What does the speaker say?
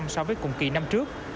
so với cùng kỳ năm trước